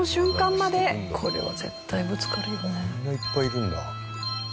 こんないっぱいいるんだ。